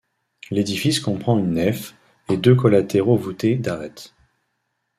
L'édifice comprend une nef et deux collatéraux voûtés d'arêtes.